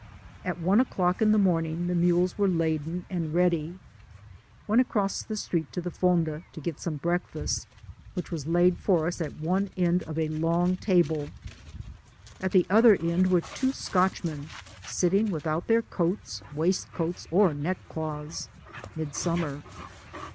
At one o'clock in the morning the mules were laden and ready — ^went across the street to the fonda, to get some breakfast, which was laid for us at one end of a long table — ^at the other end were two Scotchmen sitting without their coats, waistcoats, or neck cloths — (midsummer.)